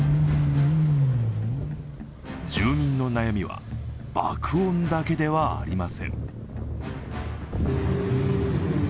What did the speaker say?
住民の悩みは、爆音だけではありません。